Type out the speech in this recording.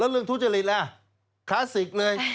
เรื่องทุจริตล่ะคลาสสิกเลย